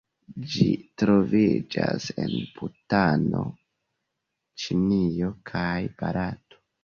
Ĝi troviĝas en Butano, Ĉinio kaj Barato.